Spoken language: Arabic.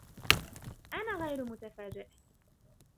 أنا غير متفاجئ.